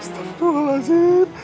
setentu lah sir